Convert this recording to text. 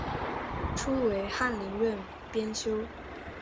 初为翰林院编修。